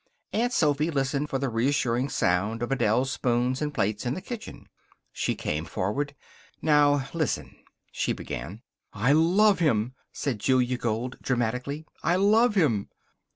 Aunt Sophy listened for the reassuring sound of Adele's spoons and plates in the kitchen. She came forward. "Now, listen " she began. "I love him," said Julia Gold, dramatically. "I love him!"